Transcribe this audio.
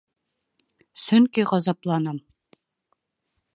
Сөнки ғазапланам.